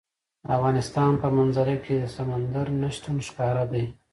د افغانستان په منظره کې سمندر نه شتون ښکاره ده.